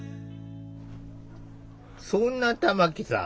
そんな玉木さん